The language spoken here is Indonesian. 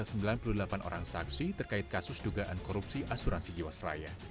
ada sembilan puluh delapan orang saksi terkait kasus dugaan korupsi asuransi jiwasraya